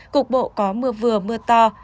cục bộ có mưa vừa mưa to